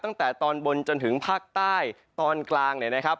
ตั้งแต่ตอนบนจนถึงภาคใต้ตอนกลางเนี่ยนะครับ